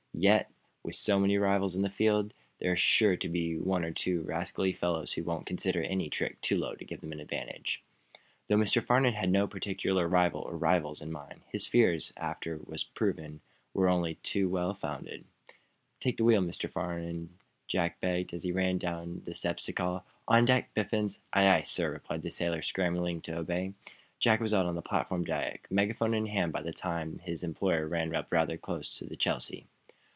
Yet, with so many rivals in the field, there are sure to be one or two rascally fellows who won't consider any trick too low to give them an advantage." Though Mr. Farnum had no particular rival, or rivals, in mind, his fears, as was afterwards proven, were only too well founded. "Take the wheel, please, Mr. Farnum," Jack, begged. He ran down the steps to call: "On deck, Biffens!" "Aye, aye, sir!" replied the sailor, scrambling to obey. Jack was out on the platform deck, megaphone in hand, by the time that his employer ran up rather close to the "Chelsea."